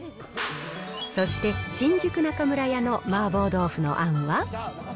そして新宿中村屋の麻婆豆腐のあんは。